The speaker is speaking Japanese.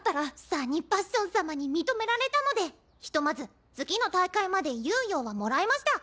サニーパッション様に認められたのでひとまず次の大会まで猶予はもらえました。